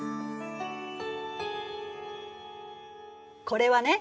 これはね